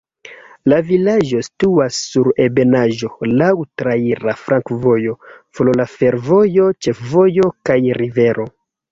La vilaĝo situas sur ebenaĵo, laŭ traira flankovojo, for de fervojo, ĉefvojo kaj rivero.